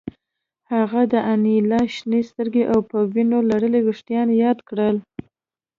هغه د انیلا شنې سترګې او په وینو لړلي ویښتان یاد کړل